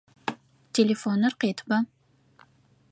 Телефоныр къетба!